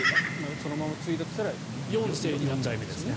そのまま継いだとしたら４世目ですね。